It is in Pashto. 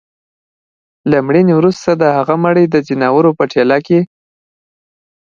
له مړيني وروسته د هغه مړى د ځناورو په ټېله کي